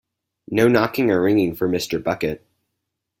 No knocking or ringing for Mr. Bucket.